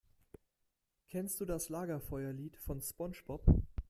Kennst du das Lagerfeuerlied von SpongeBob?